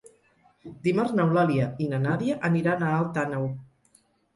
Dimarts n'Eulàlia i na Nàdia aniran a Alt Àneu.